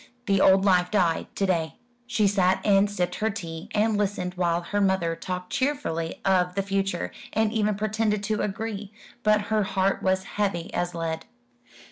The old life died to day. She sat and sipped her tea, and listened while her mother talked cheerfully of the future, and even pretended to agree; but her heart was heavy as lead.